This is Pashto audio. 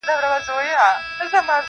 • پر دوو پښو راته ولاړ یې سم سړی یې -